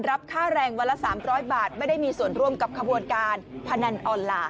รับค่าแรงวันละ๓๐๐บาทไม่ได้มีส่วนร่วมกับขบวนการพนันออนไลน์